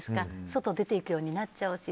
外出て行くようになっちゃうし。